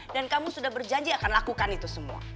dan kamu sudah berjanji akan lakukan itu semua